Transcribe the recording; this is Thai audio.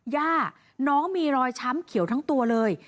ย่าน้องมีรอยช้ำเขียวทั้งตัวเลย